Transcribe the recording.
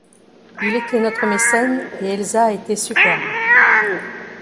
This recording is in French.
Il était notre mécène et Elsa était superbe.